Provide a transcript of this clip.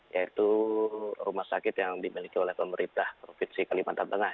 yaitu rumah sakit yang dimiliki oleh pemerintah provinsi kalimantan tengah